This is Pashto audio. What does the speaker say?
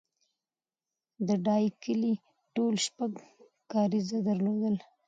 د ډایی کلی ټول شپږ کارېزه درلودل